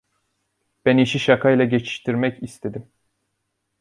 Ben işi şakayla geçiştirmek istedim.